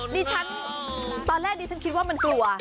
ดิฉันตอนแรกดิฉันคิดว่ามันกลัว